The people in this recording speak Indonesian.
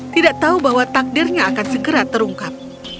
tidak tahu bahwa takdirnya akan segera terungkap